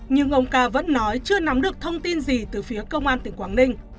nhưng ông ca vẫn nói chưa nắm được thông tin gì từ phía công an tỉnh quảng ninh